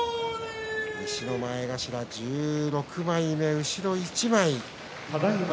西の前頭１６枚目、後ろ一枚。